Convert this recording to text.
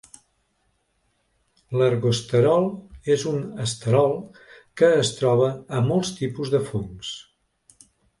L’ergosterol és un esterol que es troba a molts tipus de fongs.